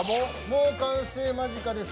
もう完成間近です。